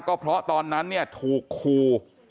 ก็เพราะตอนนั้นเนี่ยถูกคู่